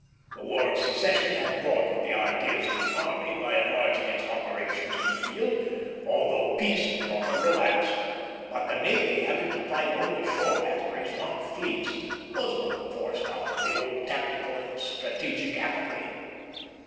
The War of Secession had broadened the ideas of the army by enlarging its operations in the field, although peace brought a relapse; but the navy having to fight only shore batteries, not fleets, was not forced out of the old tactical and strategic apathy.